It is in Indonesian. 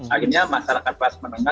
akhirnya masyarakat kelas menengah